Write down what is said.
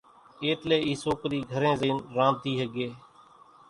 ايٽلي اِي سوڪري گھرين زئين رانڌي ۿڳي